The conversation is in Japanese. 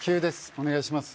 お願いします